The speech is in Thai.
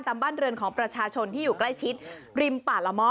ตามบ้านเรือนของประชาชนที่อยู่ใกล้ชิดริมป่าละหม้อ